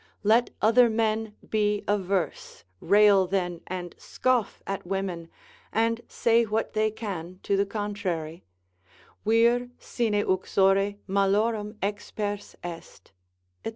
Let other men be averse, rail then and scoff at women, and say what they can to the contrary, vir sine uxore malorum expers est, &c.